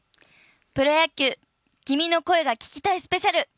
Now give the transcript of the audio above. プロ野球「君の声が聴きたいスペシャル」。